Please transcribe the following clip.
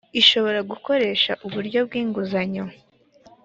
ishobora gukoresha uburyo bw’inguzanyo